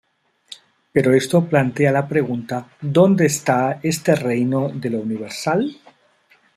Pero esto plantea la pregunta: ¿dónde está este reino de lo universal?